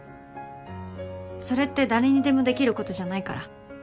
それって誰にでもできることじゃないから。